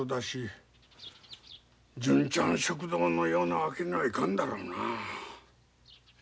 し純ちゃん食堂のようなわけにはいかんだろうなあ。